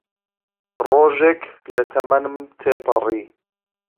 ڕۆژێک لە تەمەنم تێپەڕی